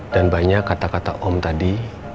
dan banyak kata kata om tadi